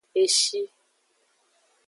Eshi.